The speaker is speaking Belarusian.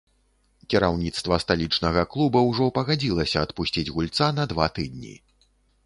Кіраўніцтва сталічнага клуба ўжо пагадзілася адпусціць гульца на два тыдні.